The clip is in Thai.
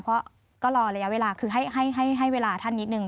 เพราะก็รอระยะเวลาคือให้เวลาท่านนิดนึ